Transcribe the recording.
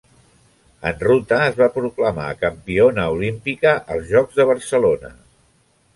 En ruta es va proclamar campiona olímpica als Jocs de Barcelona.